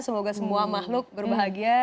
semoga semua makhluk berbahagia